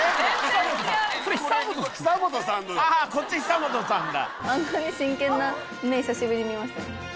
あこっち久本さんだ。